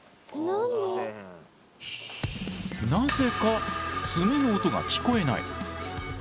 なぜか爪の音が聞こえない。